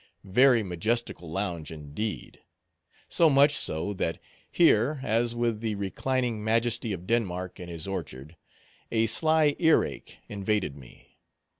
Very majestical lounge, indeed. So much so, that here, as with the reclining majesty of Denmark in his orchard, a sly ear ache invaded me.